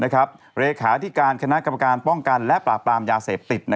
เลขาที่การคณะกรรมการป้องกันและปราบปรามยาเสพติด